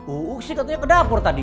uh sih katanya ke dapur tadi